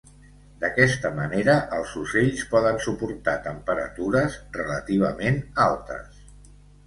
D'aquesta manera els ocells poden suportar temperatures relativament altes.